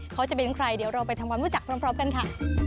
เขาจะเป็นใครเดี๋ยวเราไปทำความรู้จักพร้อมกันค่ะ